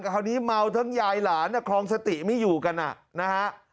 คราวนี้เมาทั้งยายหลานคลองสติไม่อยู่กันนะฮะ